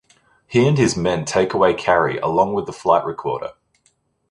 He and his men take away Carrie along with the flight recorder.